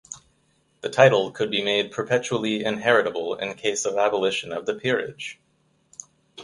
The title could be made perpetually inheritable in case of abolition of the peerage.